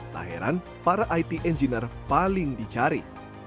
tak heran para it engineer paling dicari